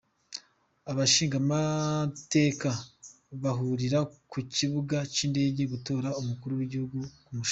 Abashingamateka bahurira ku kibuga c'indege gutora umukuru w'igihugu mushasha.